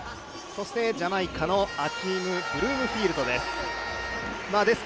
ジャマイカのアキーム・ブルームフィールドです。